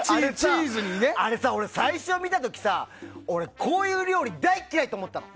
俺、最初に見た時にこういう料理大嫌いと思ったの。